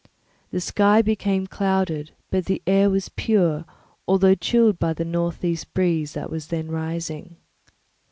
The sky became clouded, but the air was pure, although chilled by the northeast breeze that was then rising.